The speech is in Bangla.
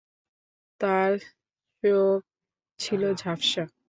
তার চোখ ছিল ঝাপসা।